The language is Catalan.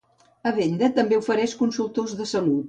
Avenda també ofereix consultors de salut.